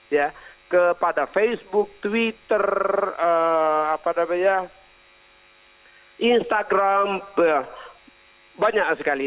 ya kepada facebook twitter apa namanya instagram banyak sekali